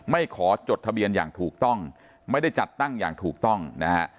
ขอจดทะเบียนอย่างถูกต้องไม่ได้จัดตั้งอย่างถูกต้องนะฮะ